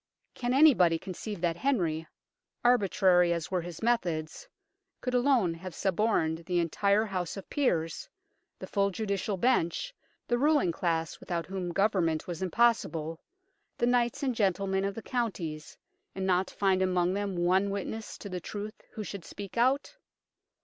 Can anybody 160 UNKNOWN LONDON conceive that Henry, arbitrary as were his methods, could alone have suborned the entire House of Peers, the full Judicial Bench, the ruling class without whom government was impossible, the Knights and gentlemen of the counties, and not find among them one witness to the truth who should speak out